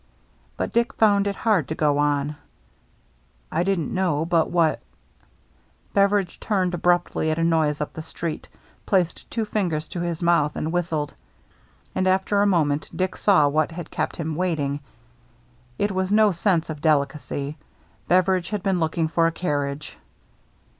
But Dick found it hard to go on. "I didn't know but what —'* Beveridge turned abruptly at a noise up the street, placed two fingers in his mouth, and whistled. And after a moment Dick saw what had kept him waiting. It was no sense of delicacy. Beveridge had been looking for a carriage.